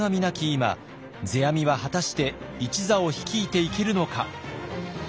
今世阿弥は果たして一座を率いていけるのか。